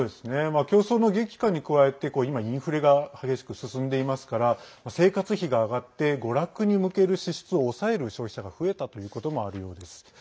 競争の激化に加えて今、インフレが激しく進んでいますから生活費が上がって娯楽に向ける支出を抑える消費者が増えたということもあるようです。